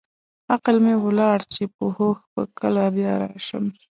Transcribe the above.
عقل مې ولاړ چې په هوښ به کله بیا راشم.